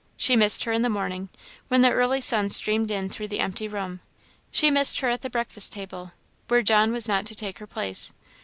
She missed her in the morning, when the early sun streamed in through the empty room. She missed her at the breakfast table, where John was not to take her place.